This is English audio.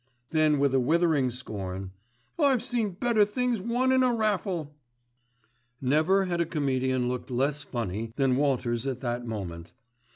Then with withering scorn, "I've seen better things won in a raffle." Never had a comedian looked less funny than Walters at that moment.